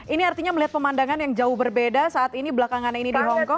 ini artinya melihat pemandangan yang jauh berbeda saat ini belakangan ini di hongkong